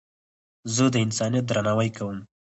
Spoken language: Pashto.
زه د انسانیت درناوی کوم.